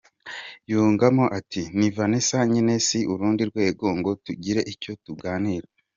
Yungamo ati “Ni Vanessa nyine si urundi rwego ngo tugire icyo tuganira.